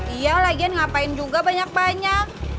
iya lagian ngapain juga banyak banyak